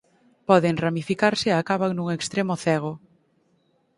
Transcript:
Poden ramificarse e acaban nun extremo cego.